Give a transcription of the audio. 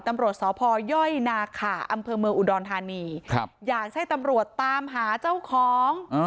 ตำรวจสพยนาขาอำเภอเมืองอุดรธานีครับอยากให้ตำรวจตามหาเจ้าของ